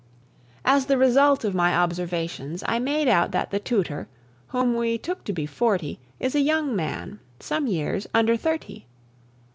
As the result of my observations, I made out that the tutor, whom we took to be forty, is a young man, some years under thirty.